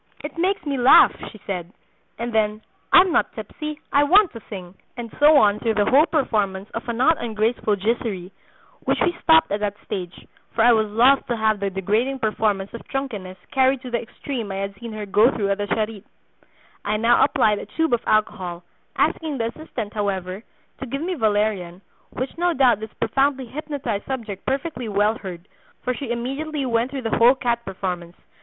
'It makes me laugh,' she said, and then, 'I'm not tipsy, I want to sing,' and so on through the whole performance of a not ungraceful giserie, which we stopped at that stage, for I was loth to have the degrading performance of drunkenness carried to the extreme I had seen her go through at the Charite. I now applied a tube of alcohol, asking the assistant, however, to give me valerian, which no doubt this profoundly hypnotized subject perfectly well heard, for she immediately went through the whole cat performance.